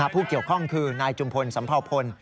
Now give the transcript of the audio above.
ผู้เกี่ยวข้องคือนายจุมพลสัมเภาพล